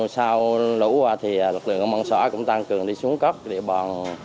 sau lũ qua thì lực lượng công an xã cũng tăng cường đi xuống cốc địa bòn